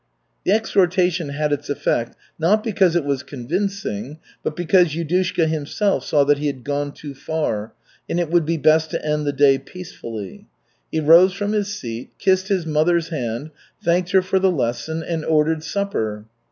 The exhortation had its effect not because it was convincing but because Yudushka himself saw he had gone too far and it would be best to end the day peacefully. He rose from his seat, kissed his mother's hand, thanked her for the "lesson," and ordered supper.